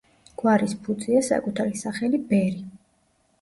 გვარის ფუძეა საკუთარი სახელი ბერი.